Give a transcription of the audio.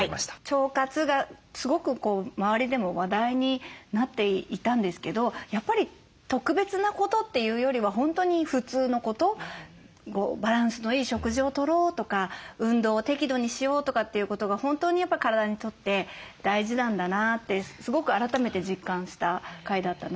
腸活がすごく周りでも話題になっていたんですけどやっぱり特別なことというよりは本当に普通のことバランスのいい食事をとろうとか運動を適度にしようとかっていうことが本当に体にとって大事なんだなってすごく改めて実感した回だったので。